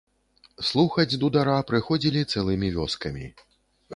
Слухаць дудара прыходзілі цэлымі вёскамі.